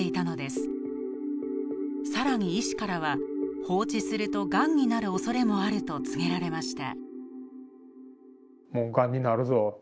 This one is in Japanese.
更に医師からは「放置するとがんになるおそれもある」と告げられました。